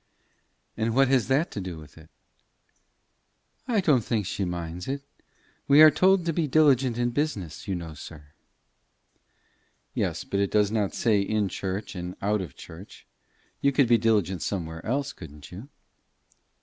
"But what has that to do with it?" "I don't think she minds it. We are told to be diligent in business, you know, sir." "Yes, but it does not say in church and out of church. You could be diligent somewhere else, couldn't you?"